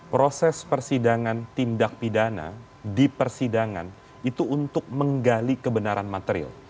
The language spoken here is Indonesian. proses persidangan tindak pidana di persidangan itu untuk menggali kebenaran material